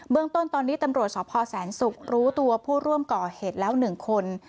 เมืองต้นตอนนี้ตำรวจสพแสนศุกร์รู้ตัวผู้ร่วมก่อเหตุแล้ว๑คน